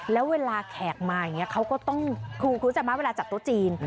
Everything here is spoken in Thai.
แล้วเวลาแขกมาอย่างนี้เขาก็จะมาเวลาจัดโต๊ะจีน